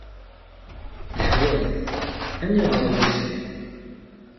Leḥwat: Aniγer ay uccen?